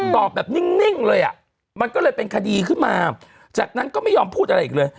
ตอบแบบนิ่งเลยอ่ะมันก็เลยเป็นคดีขึ้นมาจากนั้นก็ไม่ยอมพูดอะไรอีกเลย